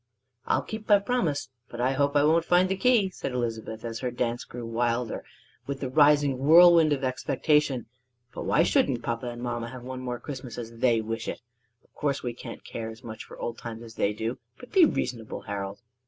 "I'll keep my promise, but I hope I won't find the key," said Elizabeth, as her dance grew wilder with the rising whirlwind of expectation. "But why shouldn't papa and mamma have one more Christmas as they wish it! Of course we can't care as much for old times as they do; but be reasonable, Harold!"